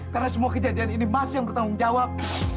karena semua kejadian ini mas yang bertanggung jawab